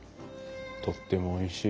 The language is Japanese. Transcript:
とってもおいしいです。